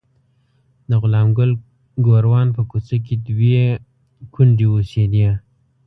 د غلام ګل ګوروان په کوڅه کې دوې کونډې اوسېدې.